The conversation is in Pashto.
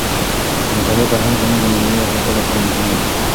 د مطالعې فرهنګ زموږ د معنوي ارتقاع لپاره مهم دی.